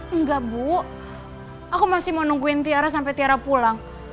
enggak bu aku masih mau nungguin tiara sampai tiara pulang